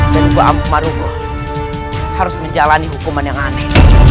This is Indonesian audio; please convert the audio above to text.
dan bu ammarungo harus menjalani hukuman yang aneh